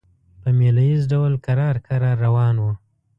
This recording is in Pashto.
په مېله ییز ډول کرار کرار روان وو.